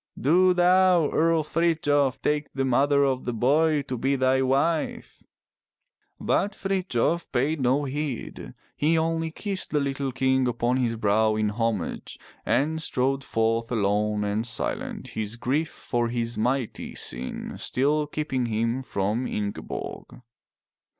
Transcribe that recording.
Do thou. Earl Frithjof, take the mother of the boy to be thy wife!" But Frithjof paid no heed. He only kissed the little king upon his brow in homage, and strode forth alone and silent, his grief for his mighty sin still keeping him from Ingeborg.